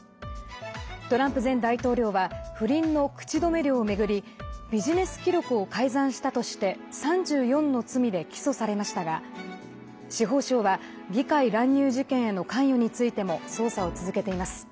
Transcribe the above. トランプ前大統領は不倫の口止め料を巡りビジネス記録を改ざんしたとして３４の罪で起訴されましたが司法省は、議会乱入事件への関与についても捜査を続けています。